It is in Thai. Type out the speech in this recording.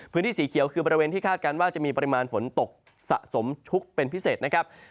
สีเขียวคือบริเวณที่คาดการณ์ว่าจะมีปริมาณฝนตกสะสมชุกเป็นพิเศษนะครับ